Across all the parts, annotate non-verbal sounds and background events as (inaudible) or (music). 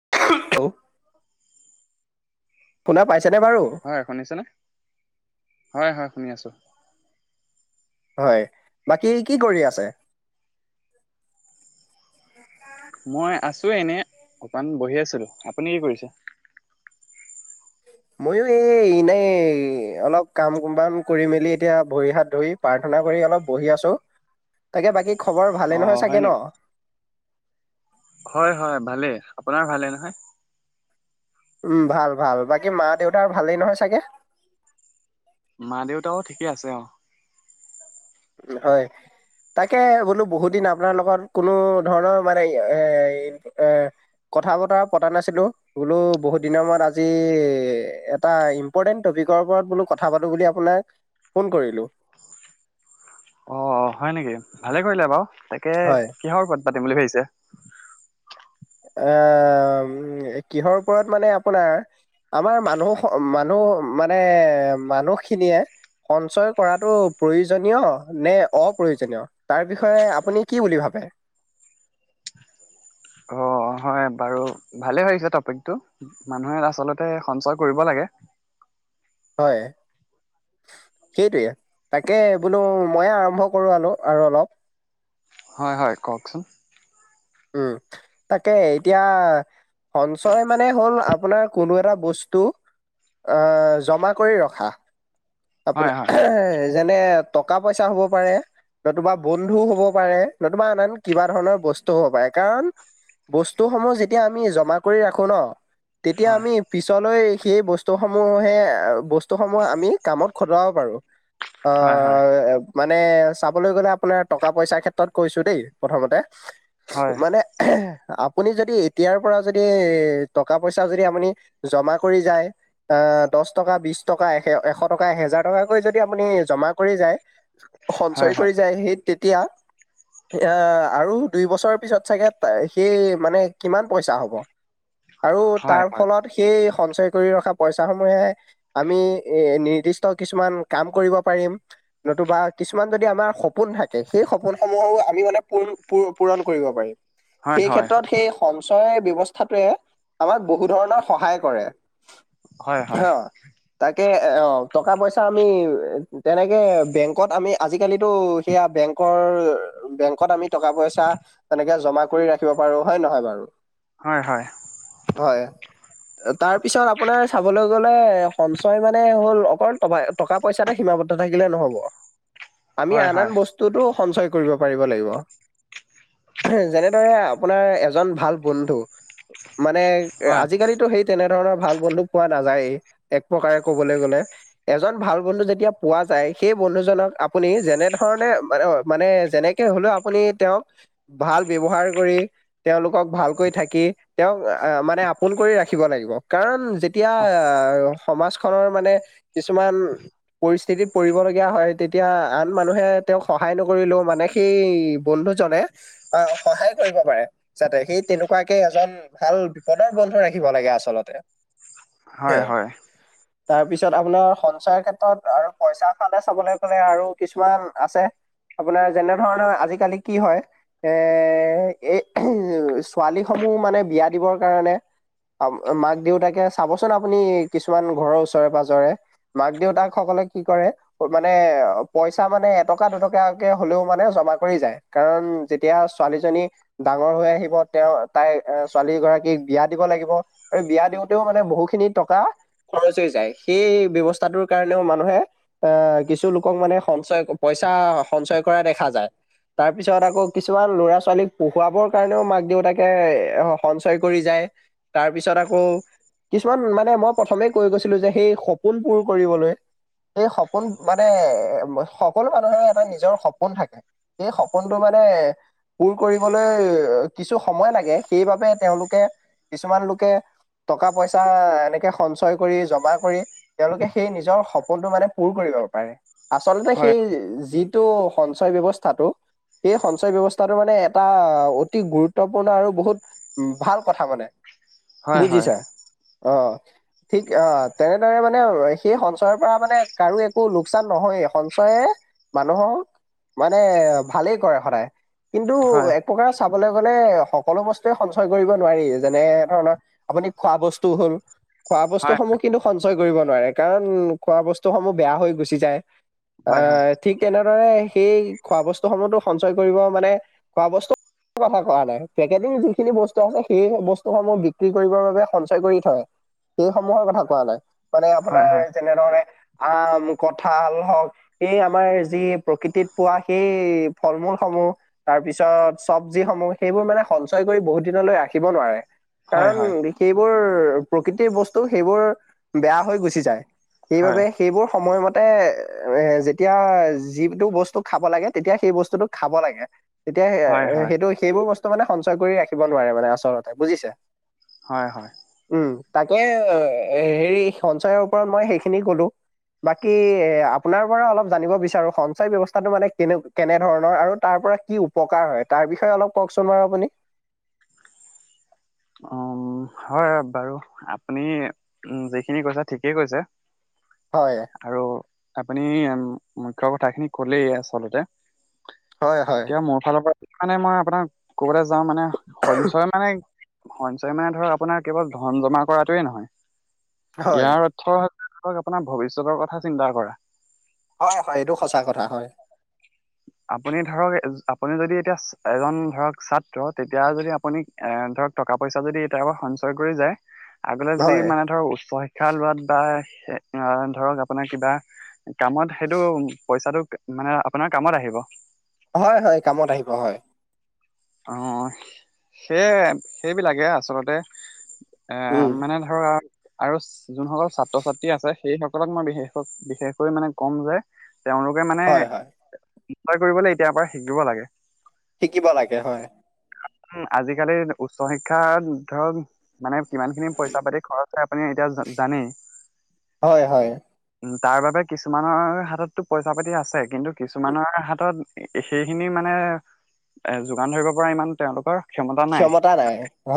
(unintelligible) শুনা পাইছে হয়, শুনিছেনে হয় হয় শুনি আছোঁ হয়, বাকী কি কৰি আছে মই আছোৱে এনে অকণমান বহি আছিলো আপুনি কি কৰিছে মই এইনে অলপ কাম কুমবান কৰি মেলি এতিয়া ভৰি হাত ধৰি প্ৰাৰ্থনা কৰি অলপ বহি আছোঁ তাকে বাকী খবৰ অ ভালে নহয় হয় চাগে ন নেকি? হয়, হয় ভালেই আপোনাৰ ভালে নহয় উম, ভাল ভাল বাকী মা দেউতাৰ ভালেই নহয় চাগে মা, দেউতাও ঠিকে আছে অ', হয় তাকে বোলো বহুত দিন আপোনাৰ লগত কোনো ধৰণৰ মানে এ এ কথা বতৰা পতা নাছিলো বোলো বহুত দিনৰ মত আজি এ এটা ইম্পৰ্টেন্ট টপিকৰ বলো কথা পো বুলি আপোনাক ফোন কৰিলো অ', হয় নেকি ভালে কৰিলে বাৰু তাকে হয়। কিহৰ পাতিম বুলি ভাবিছে অ', উ কিহৰ ওপৰত মানে আপোনাৰ আমাৰ মানুহ মানুহ মানে মানুহ মানুহখিনিয়ে সঞ্চয় কৰাটো প্ৰয়োজনীয় নে অপ্ৰয়োজনীয় তাৰ বিষয়ে আপুনি আপুনি বুলি ভাবে অ', হয় বাৰু ভালে পাইছোঁ টপিকটো মানুহে আচলতে সঞ্চয় কৰিব লাগে হয়। সেইটোৱে তাকে বোলো মইে আৰম্ভ কৰো আলো আৰু অলপ হয়, হয় কওকচোন উম, তাকে এতিয়া সঞ্চয় মানে হ'ল আপোনাৰ কোনো এটা বস্তু আহ জমা কৰি ৰখা হয় আপোনাৰ হয় যেনে টকা পইচা হ'ব পাৰে নতুবা বন্ধু হ'ব পাৰে নতুবা আনন কিবা ধৰণৰ বস্তু হ'ব পাৰে কাৰণ বস্তুসমূহ যেতিয়া আমি জমা কৰি ৰাখো ন তেতিয়া হয় আমি পিছলৈ সেই বস্তুসমূহহে বস্তুসমূহ আমি কামত খটাব পাৰো হয় হয় অ মানে চাবলৈ গ'লে আপোনাৰ টকা পইচাৰ ক্ষেত্ৰত কৈছো দেই প্ৰথমতে হয় মানে আপুনি যদি এতিয়াৰ পৰা যদি টকা পইচা যদি আপুনি জমা কৰি যায় দহ টকা বিশ টকা এশ এহেজাৰ টকাকৈ যদি আপুনি জমা কৰি যায় হয় সঞ্চয় হয় কৰি যায় এতিয়া এ আৰু দুই বছৰ পিছত চাগে সেই মানে কিমান পইচা হ'ব আৰু হয় তাৰ ফলত সেই সঞ্চয় কৰি ৰখা পইচা সমূহে আমি এ নি নিৰ্দিষ্ট কিছুমান কাম কৰিব পাৰিম নতুবা কিছুমান যদি আমাৰ সপোন সপোন থাকে সেই সপোনসমূহো আমি মানে পূৰণ কৰিব পাৰিম হয় সেই হয় হয় ক্ষেত্ৰত সেই সঞ্চয় ব্য্ৱস্থাটোৱে আমাক বহু ধৰণৰ সহায় কৰে হয় হয় হা তাকে আহ টকা পইচা আমি তেনেকে বেংকত আমি আজিকালিতো সেয়া বেংকৰ বেংকত আমি টকা পইচা এনেকে জমা কৰি ৰাখিব পাৰো হয়ে নহয় বাৰু হয়, হয়। তাৰপিছত আপোনাৰ চাবলৈ গ'লে সঞ্চয় মানে হ'ল। (unintelligible) টকা পইচাতে সীমাবদ্ধ থাকিলে নহব, আমি হয় আন আন হয় বস্তুটো সঞ্চয়। কৰিব পাৰিব লাগিব। যেনেদৰে আপোনাৰ এজন ভাল বন্ধু। মানে আজিকালিতো সেই তেনে। ধৰণৰ ভাল বন্ধু পোৱা নাযায়েই, এক প্ৰকাৰে কবলৈ গ'লে। এজন ভাল বন্ধু যেতিয়া পোৱা যায় সেই বন্ধুজনক আপুনি যেনে ধৰণে মানে যেনেক। একে হলেও আপুনি তেওঁক ভাল ব্যৱহাৰ কৰি তেওঁলোকক ভালকৈ থাকি তেওঁক। আ মানে আপোন কৰি ৰাখিব লাগিব, কাৰণ যেতিয়া আ সমাজখনৰ মানে। কিছুমান। পৰিস্থিতিত পৰিবলগীয়া হয় তেতিয়া আন মানুহে তেওঁক সহায় নকৰিলেও মানে সেই বন্ধু। জনে আ সহায় কৰিব পাৰে যাতে সেই তেনেকুৱাকে এজন ভাল বিপদৰ বন্ধুৰ। ৰাখিব লাগে আচলতে। হয়, হয়। তাৰ পিছত আপোনাৰ সঞ্চয়ৰ ক্ষেত্ৰত আৰু পইচাৰ ফালে চাবলৈ গলে আৰু কিছুমান আছে। আপোনাৰ যেনে ধৰণৰ আজিকালি কি হয় এ এই ছোৱালী সমূহ। (unintelligible) মানে বিয়া দিবৰ কাৰণে। মাক দেউতাকে চাবচোন আপুনি কিছুমান ঘৰৰ ওচৰে পাজৰে। পাজৰে মাক- দেউতাক সকলে কি কৰে মানে প‌ইচা মানে এটকা দুটকাকে হলেও। হলেও মানে জমা কৰি যায়, কাৰন যেতিয়া ছোৱালীজনী ডাঙৰ হৈ আহিব, তেওঁ তাই। ছোৱালী গৰাকীক বিয়া দিব লাগিব আৰু বিয়া দিওঁতেও মানে বহু খিনি টকা খৰচ হৈ যায়। সেই ব্যৱস্থাটোৰ কাৰণেও মানুহে আ কিছু লোকক মানে সঞ্চয় পইচা সঞ্চয়। কৰা দেখা যায়। তাৰ পিছত আকৌ কিছুমান ল'ৰা-ছোৱালীক পঢ়ুৱাবৰ কাৰণেও মাক দেউতাকে এ সঞ্চয় কৰি যায়। তাৰ পিছত আকৌ কিছুমান মানে মই প্ৰথমে কৈ গৈছিলো যে সেই। সপোন পূৰ কৰিবলৈ। সেই সপোন মানে সকলো মানুহেৰে এটা নিজৰ সপোন থাকে সেই সপোনটো মানে। মানে পূৰ কৰিবলৈ কিছু সময় লাগে সেইবাবে তেওঁলোকে। কিছুমান লোকে টকা-পইচা এনেকে সঞ্চয় কৰি জমা কৰি। তেওঁলোকে সেই নিজৰ সপোনটো মানে পূৰ কৰিব পাৰে, আচলতে হয় সেই যি। টো সঞ্চয় ব্যৱস্থাটো। সেই সঞ্চয় ব্যৱস্থাটো মানে এটা অতি গুৰুত্বপূৰ্ণ আৰু বহুত ভাল কথা মানে। হয়, হয়। বুজিছা অ' ঠিক অ, তেনে। দৰে মানে সেই সঞ্চয়ৰ পৰা মানে কাৰো একো লোকচান নহয় সঞ্চয়ে। মানুহক মানে ভালেই কৰে সদায় কিন্তু হয় এক প্ৰকাৰে। চাবলৈ গ'লে সকলো বস্তুৱে সঞ্চয় কৰিব নোৱাৰি, যেনে ধৰণৰ আপুনি খোৱা বস্তু হ'ল। খোৱা হয় বস্তুসমূহ কিন্তু সঞ্চয় কৰিব নোৱাৰে, কাৰণ খোৱা বস্তুসমূহ বেয়া হৈ গুচি যায়। হয় হয় অ', ঠিক তেনে। দৰে সেই খোৱা বস্তু সমূহতো সঞ্চয় কৰিব মানে খোৱা বস্তু। কথা কোৱা নাই পেকেটিং যিখিনি বস্তু আছে সেই বস্তুসমূহ বিক্ৰী কৰিবৰ বাবে সঞ্চয় কৰি থয়। সেই সমূহৰ কথা কোৱা নাই, মানে হয় আপোনাৰ হয় যেনে ধৰণে। আম কঠাল হওঁক এই আমাৰ যি প্ৰকৃতিত পোৱা সেই ফল-মূল সমূহ। তাৰ পিছত চব্জি সমূহ সেইবোৰ মানে সঞ্চয় কৰি বহুত দিনলৈ ৰাখিব নোৱাৰে। হয় কাৰণ হয় সেইবোৰ প্ৰকৃতিৰ বস্তু সেইবোৰ বেয়া হৈ গুচি যায়। হয় সেইবাবে সেইবোৰ সময়মতে। তাতে এ যেতিয়া যিটো বস্তু খাব লাগে তেতিয়া সেই বস্তুটো খাব লাগে। তেতিয়া হয় হয় সেইটো সেইবোৰ বস্তু মানে সঞ্চয় কৰি ৰাখিব নোৱাৰে মানে আচলতে বুজিছে। হয়, হয়। উ', তাকে হেৰি সঞ্চয়ৰ ওপৰত মই সেইখিনি ক'লো। বাকী এ', আপোনাৰ পৰা অলপ জানিব বিচাৰো সঞ্চয় ব্যৱস্থাটো মানে কেনে কেনে ধৰণৰ আৰু তাৰ। কি উপকাৰ হয় তাৰ বিষয়ে অলপ কওঁকচোন বাৰু আপুনি। (inaudible) উম', হয় বাৰু আপুনি যিখিনি কৈছে ঠিকেই কৈছে। হয়, আৰু আপুনি মুখ্য কথাখিনি ক'লেই আচলতে। হয়, হয়, এতিয়া মোৰ ফালৰ পৰা মানে মই আপোনাক ক'বলে যাওঁ মানে সঞ্চয় মানে। সঞ্চয় মানে ধৰ আপোনাৰ কেৱল ধন জমা কৰাটোৱে নহয় হয়, ইয়াৰ অৰ্থ। (unintelligible) আপোনাৰ ভৱিষ্যতৰ কথা চিন্তা কৰা। হয়। হয়। এইটো সঁচা কথা হয়। আপুনি ধৰক আপুনি যদি এতিয়া এজন ধৰক ছাত্ৰ তেতিয়া যদি আপুনি ধৰক। টকা পইচা যদি এতিয়াৰ পৰা সঞ্চয় কৰি যায় আগলে যি হয়। মানে ধৰক উচ্চ শিক্ষা লোৱাত বা। ধৰক আপোনাৰ কিবা কামত সেইটো পইচাটো মানে। আপোনাৰ কামত আহিব। হয়। হয়। কামত আহিব হয়। অ', সেই সেইবিলাকে আচলতে। এ', উম, মানে ধৰক। আৰু যোনসকল ছাত্ৰ-ছাত্ৰী আছে সেইসকলক মই বিশষ বিশেষকৈ মানে কম যে। তেওঁলোকে মানে হয়, হয়, কৰিবলৈ এতিয়াৰ পৰা শিকিব লাগে। শিকিব লাগে হয়। আজিকালি উচ্চ শিক্ষাত ধৰক মানে কিমান খিনি পইচা পাতি খৰচ হয় আপুনি। এতিয়া জানে। হয় হয়। তাৰ বাবে কিছুমানৰ হাতততো পইচা পাতি আছে কিন্তু কিছুমানৰ হাতত। সেইখিনি মানে এ যোগান ধৰিব পৰা ইমান তেওঁলোকৰ। ক্ষমতা নাই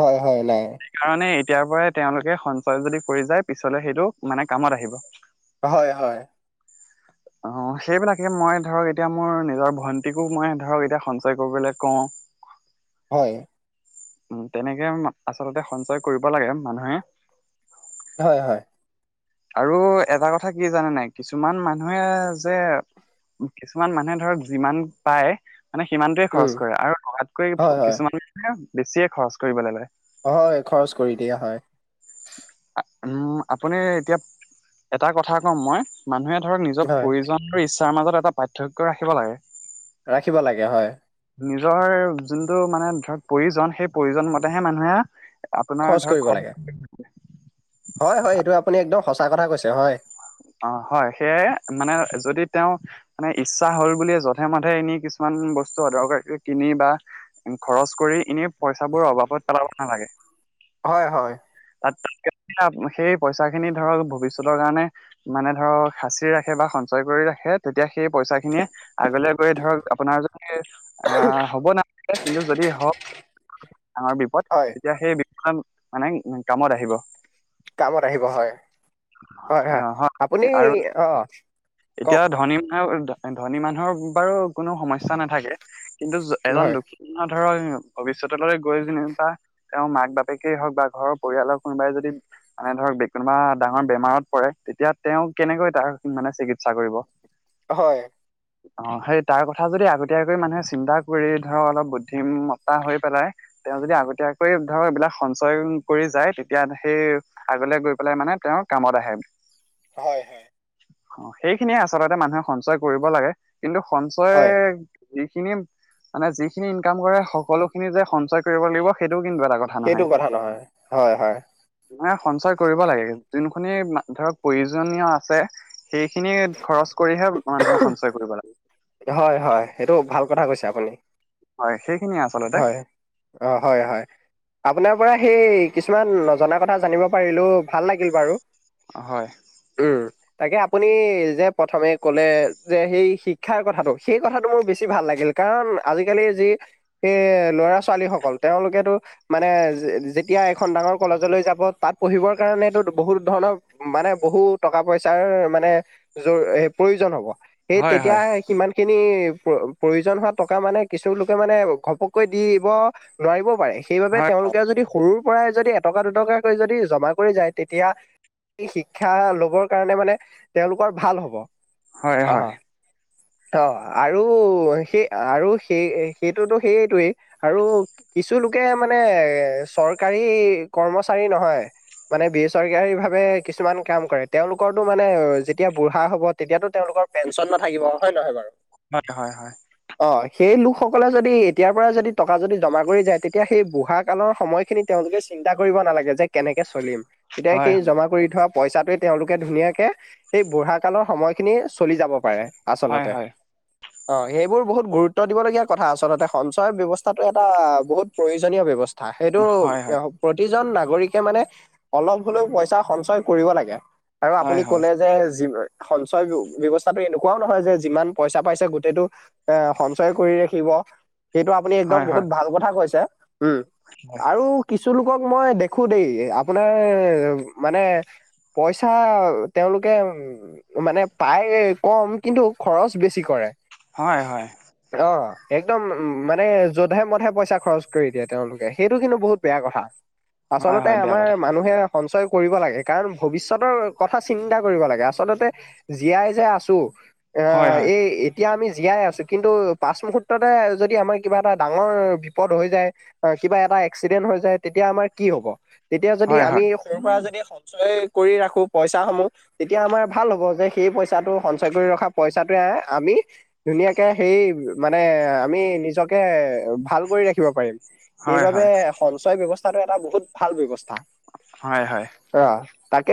হয়, হয়, নাই, তেতিয়াৰ পৰাই তেওঁলোকে সঞ্চয় যদি কৰি যায় পিছলে সেইটো মানে কামত আহিব। হয় হয়। অ', সেইবিলাকে মই ধৰক এতিয়া মোৰ নিজৰ ভণ্টিকো মই ধৰক এতিয়া সঞ্চয় কৰিবলৈ। কওঁ। হয়। উম', তেনেকে আচলতে সঞ্চয় কৰিব লাগে মানুহে। হয় হয়। আৰু এটা কথা কি জানে নাই কিছুমান মানুহে যে কিছুমান মানুহে ধৰক যিমান পায়। মানে সিমানটোৱে উম, খৰচ কৰে আৰু লগাতকৈ হয়, হয়, কিছুমানে বেছিয়ে খৰচ কৰিবলৈ লয়। হয়, খৰচ কৰি দিয়া হয়। উম', আপুনি এতিয়া এটা কথা কম মই মানুহে ধৰক নিজৰ হয়, প্ৰয়োজন তাৰ মাজত এটা পাৰ্থক্য ৰাখিব লাগে। ৰাখিব লাগে হয়। নিজৰ যোনটো মানে ধৰক প্ৰয়োজন সেই প্ৰয়োজন মতেহে মানুহে আপোনাৰ ধৰ খৰছ হয়-হয়, এইটো আপুনি একদম সঁচা কথা কৈছে হয়। অ', হয় সেয়াই মানে যদি তেওঁ মানে ইচ্ছা হ'ল বুলিয়ে যধে-মধে এনে কিছুমান বস্তু দৰকাৰ কিনি বা খৰচ কৰি এনে পইচাবোৰৰ অভাৱত পেলাব নালাগে। হয়-হয়। তাত সেই পইচা খিনি ধৰক ভৱিষ্যতৰ কাৰণে মানে ধৰক সাঁচি ৰাখে বা সঞ্চয় কৰি ৰাখে, তেতিয়া সেই পইচা খিনিয়ে আগলৈ গৈ ধৰক আপোনাৰ য আহ হ'ব নালাগে কিন্তু যদি হওক ডাঙৰ বিপদ হয় তেতিয়া সেই মানে কামত আহিব। কামত আহিব হয়। হয় অ', হয় আপুনি আৰু অ এতিয়া কওক ধনী মে ধনী মানুহৰ বাৰু কোনো সমস্যা নাথাকে কিন্তু এজন হয় দক্ষিণ মান। ধৰক ভৱিষ্যতলৈ গৈ যেনিবা তেওঁৰ মাক-বাপেকেই হওক বা ঘৰৰ পৰিয়ালৰ কোনোবাই যদি মানে ধৰক কোনোবা ডাঙৰ বেমাৰত পৰে তেতিয়া তেওঁ কেনেকৈ তাৰ কোনে চিকিৎসা কৰিব। হয়। অ সেই তাৰ কথা যদি আগতীয়াকৈ মানুহে চিন্তা কৰি ধৰ অলপ বুদ্ধিমত্তা হৈ পেলাই। তেওঁ যদি আগতীয়াকৈ ধৰক এইবিলাক সঞ্চয়। কৰি যায় তেতিয়া সেই আগলে গৈ পেলাই মানে তেওঁৰ কামত আহে। হয়-হয়। অ' সেইখিনিয়ে আচলতে মানুহে সঞ্চয় কৰিব লাগে কিন্তু সঞ্চয় হয় যিখিনি মানে যিখিনি ইনকাম কৰে সকলো খিনি যে সঞ্চয় কৰিব লাগিব সেইটো। কিন্তু এটা কথা নহয়। হয়, হয়। মানে সঞ্চয় কৰিব লাগে যোনখিনি ধৰক প্ৰয়োজনীয় আছে। সেইখিনি খৰচ কৰিহে মানুহে সঞ্চয় কৰিব লাগে। যাবলৈ। হয় সেই হয় অ' হয়-হয় আপোনাৰ ত পৰা সেই কিছুমান নজনা কথা জানিব পাৰিলো ভাল লাগিল বাৰু। হয় উম তাকে। আপুনি যে প্ৰথমে ক'লে যে সেই শিক্ষাৰ কথাটো সেই কথাটো মোৰ বেছি ভাল লাগিল কাৰণ। আজিকালি যি সেই ল'ৰা-ছোৱালী সকল তেওঁলোকেতো মানে যেতিয়া এখন ডাঙৰ কলেজলৈ যাব তাত পঢ়িবৰ কাৰনেটো বহুত ধৰণৰ মানে বহু টকা পইচাৰ মানে প্ৰয়োজন হ'ব। সেই হয় তেতিয়া হয় সিমান খিনি প্ৰয়োজন হোৱা টকা মানে কিছু লোকে মানে। ঘপককৈ দি দিব নোৱাৰিবও পাৰে সেইবাবে হয় তেওঁলোকেও যদি সৰু পৰাই যদি এটকা, দুটকাকৈ যদি জমা কৰি যায় তেতিয়া শিক্ষা লবৰ কাৰণে মানে তেওঁলোকৰ ভাল হ'ব। অহ হয়-হয়। অ আৰু সেই আৰু সেই সেইটোতো সেইটোৱেই আৰু কিছু লোকে মানে চৰকাৰী কৰ্মচাৰী নহয়। মানে বেচৰকাৰী ভাবে কিছুমান কাম কৰে। তেওঁলোকৰটো মানে যেতিয়া বুঢ়া হ'ব তেতিয়াতটো তেওঁলোক পেঞ্চন নাথাকিব হয় নহয় বাৰু। হয়-হয়-হয়। অ সেই লোকসকলে যদি তেতিয়াৰ পৰা যদি টকা যদি জমা কৰি যায় তেতিয়া সেই বুঢ়া কালৰ সময়খিনি তেওঁলোকে চিন্তা কৰিব নালাগে যে কেনেকৈ চলিম তেতিয়া হয় সেই জমা কৰি থোৱা পইচাটোয়ে তেওঁলোকে ধুনীয়াকে এই বুঢ়া কালৰ সময় খিনি চলি যাব পাৰে। হয় আচলতে হয় অ' সেইবোৰ বহুত গুৰুত্ব দিবলগীয়া কথা আচলতে সঞ্চয় ব্যৱস্থাটো এটা বহুত প্ৰয়োজনীয় ব্যৱস্থা সেইটো হয় প্ৰতি জন নাগৰিকে মানে অলপ হ'লেও পইচা সঞ্চয় কৰিব লাগে। আৰু হয় হয় আপুনি হয় কলে যে সঞ্চয় ব্যৱস্থাটো এনেকুৱাও নহয় যে যিমান পইচা পাইছে গোটেইটো এ সঞ্চয় কৰি ৰাখিব। সেইটো আপুনি একদম হয় হয় বহুত হয় ভাল কথা কৈছে উম আৰু কিছ লোক (unintelligible) মই দেখো দেই আপোনাৰ মানে পইচা তেওঁলোকে মানে পায় কম কিন্তু খৰচ বেছি কৰে। হয়-হয়। অ' একদম। উ মানে যধে-মধে পইচা খৰচ কৰি দিয়ে তেওঁলোকে সেইটো কিন্তু বহুত বেয়া কথা। হয় আচলতে হয় বেয়া আমাৰ কথা মানুহে সঞ্চয় কৰিব লাগে কাৰণ ভৱিষ্যতৰ কথা চিন্তা কৰিব লাগে আচলতে জীয়াই যে আছো। হয় হয় অ'এই এতিয়া আমি জীয়াই আছো কিন্তু পাচ মূহুৰ্ততে যদি আমাৰ কিবা এটা ডাঙৰ বিপদ হৈ যায় কিবা এটা এক্সিডেন্ট হৈ যায় তেতিয়া আমাৰ কি হ'ব। তেতিয়া যদি হয় আমি সৰুৰ পৰা যদি সঞ্চয় কৰি ৰাখো পইচা সমূহ তেতিয়া আমাৰ ভাল হ'ব যে সেই পইচাটো সঞ্চয় কৰি ৰখা পইচা। আমি ধুনীয়াকে সেই মানে আমি নিজকে ভাল কৰি ৰাখিব পাৰিম হয় হয় সেইবাবে হয় সঞ্চয় ব্যৱস্থা এটা বহুত ভাল ব্যৱস্থা। হয়-হয়। অ' তাকে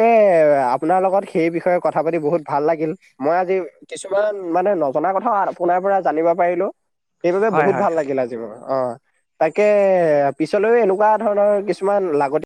আপোনাৰ লগত সেই বিষয়ে কথা পাতি বহুত ভাল লাগিল। মই আজি কিছুমান মানে মানে নজনা কথা আপোনাৰ পৰা জানিব পাৰিলো সেইবাবে হয় বহুত হয় ভাল লাগিল আজি মোৰ। অ' তাকে পিছলৈও এনেকুৱা ধৰণৰ কিছুমান লাগতি